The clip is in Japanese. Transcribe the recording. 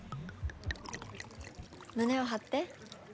胸を張って。